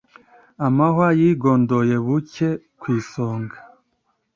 amahwa yigondoye buke ku isonga